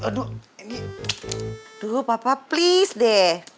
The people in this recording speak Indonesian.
aduh papa please deh